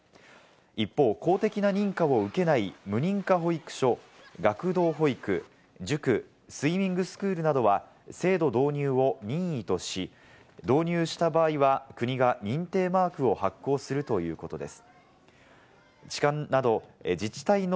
一方、公的な認可を受けない無認可保育所、学童保育、塾、スイミングスクールなどは制度導入を任意とし、導入した場合は国が認定マークを発行するということです。